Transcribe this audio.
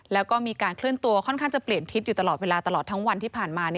แล้วก็มีการเคลื่อนตัวค่อนข้างจะเปลี่ยนทิศอยู่ตลอดเวลาตลอดทั้งวันที่ผ่านมา